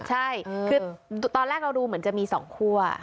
ใช่คือตอนแรกเราดูเหมือนจะมี๒คั่ว